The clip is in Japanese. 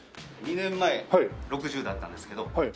２年前６０だったんですけど。